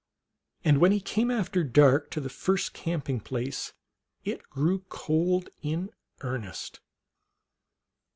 And when he came after dark to the first camping place it grew cold in earnest.